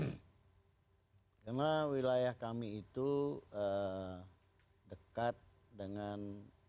karena wilayah kami itu dekat dengan